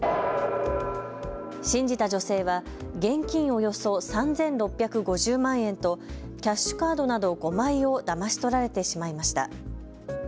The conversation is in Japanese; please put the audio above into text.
信じた女性は現金およそ３６５０万円とキャッシュカードなど５枚をだまし取られてしまいました。